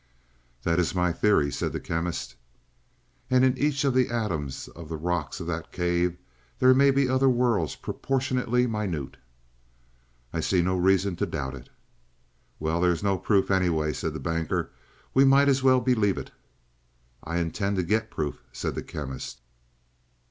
"That is my theory," said the Chemist. "And in each of the atoms of the rocks of that cave there may be other worlds proportionately minute?" "I can see no reason to doubt it." "Well, there is no proof, anyway," said the Banker. "We might as well believe it." "I intend to get proof," said the Chemist.